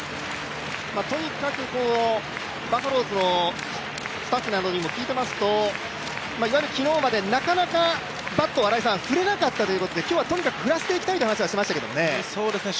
とにかくバファローズのスタッフなどにも聞いていますといわゆる昨日まで、なかなかバットを振れなかったということで今日はとにかく振らせていきたいと話をしていましたけどね。